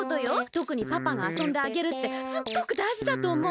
とくにパパがあそんであげるってすっごくだいじだとおもう。